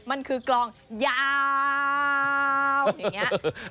มันคือกลองยาวอย่างนี้